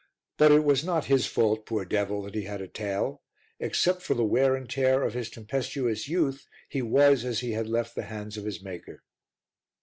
But it was not his fault, poor devil, that he had a tail: except for the wear and tear of his tempestuous youth he was as he had left the hands of his maker.